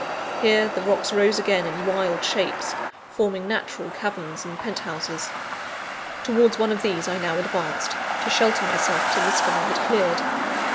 Here, the rocks rose again in wild shapes, forming natural caverns and penthouses. Towards one of these I now advanced, to shelter myself till the sky had cleared.